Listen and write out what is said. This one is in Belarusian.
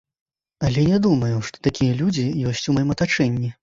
Але не думаю, што такія людзі ёсць у маім атачэнні.